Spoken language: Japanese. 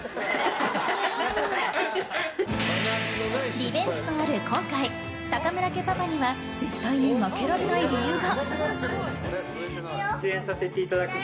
リベンジとなる今回坂村家パパには絶対に負けられない理由が。